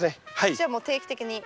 じゃあもう定期的に。